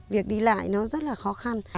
việc đi lại nó rất là khó khăn